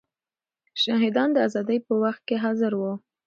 شاهدان د ازادۍ په وخت کې حاضر وو.